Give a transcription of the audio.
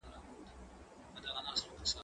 زه به پاکوالي ساتلي وي